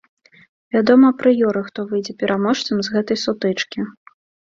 Вядома апрыёры, хто выйдзе пераможцам з гэтай сутычкі.